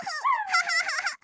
ハハハ。